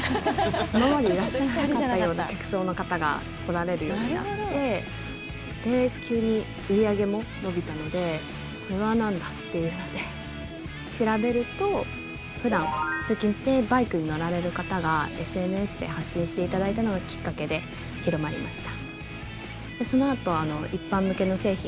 今までいらっしゃらなかったような客層の方が来られるようになってで、急に売り上げも伸びたのでこれはなんだ？っていうので調べると普段、通勤でバイクに乗られる方がＳＮＳで発信していただいたのがきっかけで広まりました。